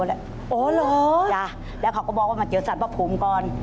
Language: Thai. อ๋อเหรออย่าแล้วเขาก็บอกว่ามันเจียวสัตว์พระภูมิก่อน